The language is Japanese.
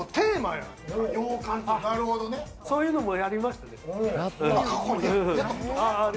そういうのもやりましたね。